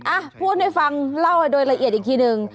อ่ะพูดให้ฟังเล่าโดยละเอียดอีกทีหนึ่ง